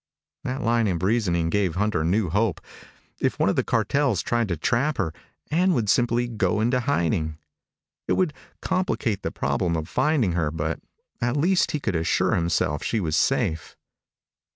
That line of reasoning gave Hunter new hope. If one of the cartels tried to trap her, Ann would simply go into hiding. It would complicate the problem of finding her, but at least he could assure himself she was safe.